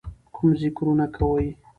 کوم ذِکرونه کوئ،